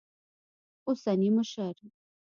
اوسني مشر